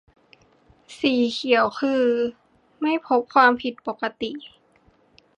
- สีเขียวคือ ไม่พบความผิดปกติ